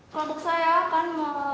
kelompok saya akan